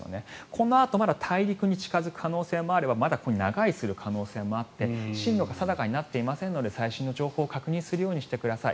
このあとまだ大陸に近付く可能性もあればまだここに長居する可能性もあって進路が定かになっていませんので最新の情報を確認するようにしてください。